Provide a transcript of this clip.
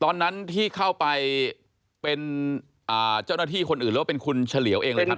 ตอนนั้นที่เข้าไปเป็นเจ้าหน้าที่คนอื่นหรือว่าเป็นคุณเฉลียวเองเลยครับ